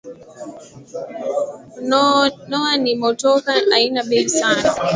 Noah ni motoka aina bei sana